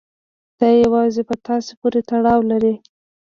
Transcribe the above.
دا يوازې په تاسې پورې تړاو لري.